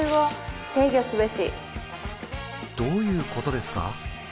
どういうことですか？